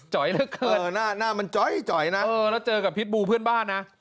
จ๋อยเหลือเกินเออหน้าหน้ามันจ๋อยจ๋อยนะเออแล้วเจอกับพิษบูเพื่อนบ้านนะ